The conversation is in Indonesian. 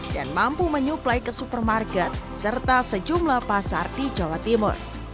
dan mampu menyuplai ke supermarket serta sejumlah pasar di jawa timur